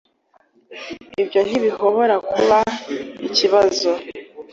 Ibyo ntibihobora kuba ikibazo